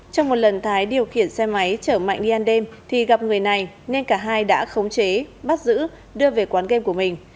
trong một lần thái điều khiển xe máy chở mạnh đi ăn đêm thì gặp người này nên cả hai đã khống chế bắt giữ đưa về quán game của mình